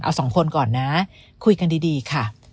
เอาสองคนก่อนนะคุยกันดีค่ะ